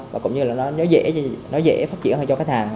và cũng như là nó dễ phát triển hơn cho khách hàng